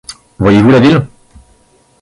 Voyez-vous la ville ?